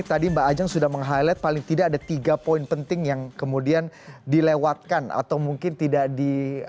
tadi mbak ajeng sudah meng highlight paling tidak ada tiga poin penting yang kemudian dilewatkan atau mungkin tidak di gubris dalam undang undang ini